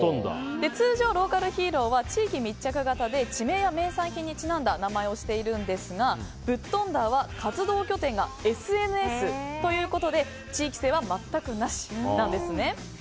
通常、ローカルヒーローは地域密着型で地名や名産品にちなんだ名前をしているんですがブットンダー！！は活動拠点がＳＮＳということで地域性は全くなしなんですね。